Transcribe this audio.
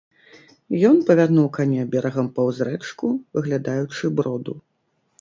Ён павярнуў каня берагам паўз рэчку, выглядаючы броду.